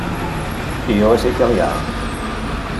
Io es italian.